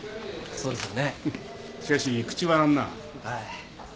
そうですよ。